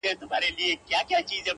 خو ژوند حتمي ستا له وجوده ملغلري غواړي-